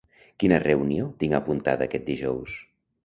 Quina reunió tinc apuntada aquest dijous?